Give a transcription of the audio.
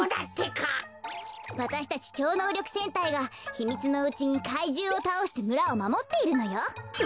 わたしたちちょうのうりょくせんたいがひみつのうちに怪獣をたおしてむらをまもっているのよ。